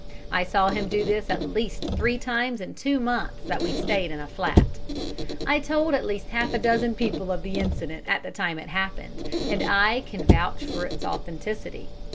I saw him do this at least three times in two months that we stayed in that flat. I told at least a half dozen people of the incident at the time it happened, and I can vouch for its authenticity.